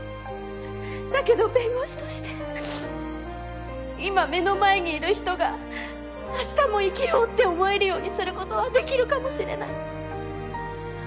だけど弁護士として今目の前にいる人が「明日も生きよう」って思えるようにすることはできるかもしれない。